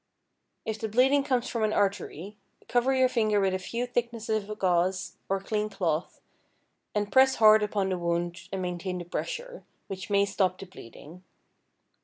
If the bleeding comes from an artery, cover your finger with a few thicknesses of gauze or clean cloth, and press hard upon the wound and maintain the pressure, which may stop the bleeding.